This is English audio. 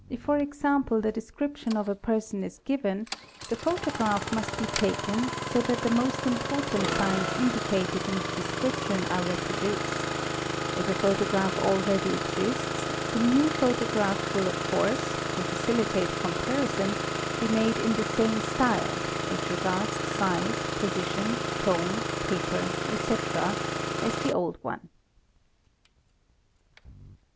ER, AA AEMD TN Oe ne rr ela al A} 'a 268 THE EXPERT example the description of a person is given, the photograph must be — taken so that the most important signs indicated in the description are reproduced; if a photograph already exists, the new photograph will of — course, to facilitate comparison, be made in the same style (as regards — size, position, tone, paper, etc.) as the old one.